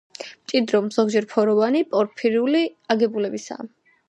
მჭიდრო, ზოგჯერ ფოროვანი, პორფირული აგებულებისაა.